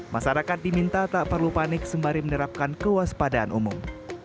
masyarakat diminta tak perlu panik sembari menerapkan kewaspadaan umum